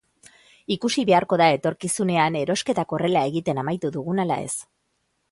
Ikusi beharko da etorkizunean erosketak horrela egiten amaitu dugun ala ez.